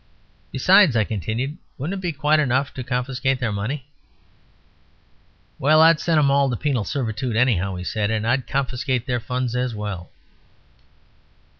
"Besides," I continued, "wouldn't it be quite enough to confiscate their money?" "Well, I'd send them all to penal servitude, anyhow," he said, "and I'd confiscate their funds as well."